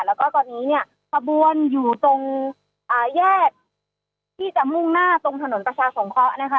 แล้วก็ตอนนี้เนี่ยขบวนอยู่ตรงแยกที่จะมุ่งหน้าตรงถนนประชาสงเคราะห์นะคะ